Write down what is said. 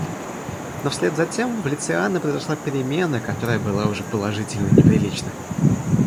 Но вслед затем в лице Анны произошла перемена, которая была уже положительно неприлична.